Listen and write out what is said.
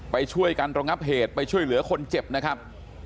ไปช่วยกันระงับเหตุไปช่วยเหลือคนเจ็บนะครับ